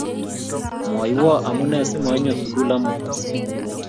mwowo amune si mainyo sukul amut?